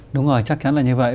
đúng rồi chắc chắn là như vậy